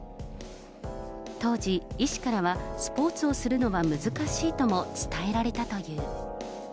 当時、医師からはスポーツをするのは難しいとも伝えられたという。